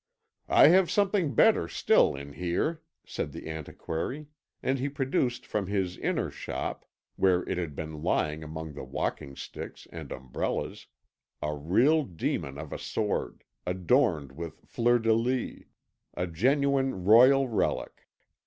"I have something better still in here," said the antiquary, and he produced from his inner shop where it had been lying among the walking sticks and umbrellas a real demon of a sword, adorned with fleurs de lys, a genuine royal relic.